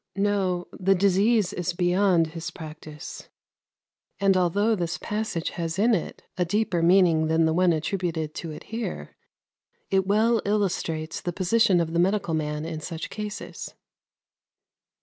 No; the disease is beyond his practice; and, although this passage has in it a deeper meaning than the one attributed to it here, it well illustrates the position of the medical man in such cases.